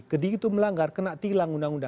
ketika itu melanggar kena tilang uu